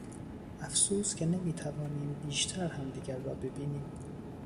افسوس که نمیتوانیم بیشتر همدیگر را ببینیم.